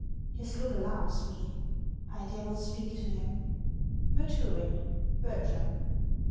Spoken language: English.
His look alarms me ; I dare not speak to him. — MATUKIN : Bertram.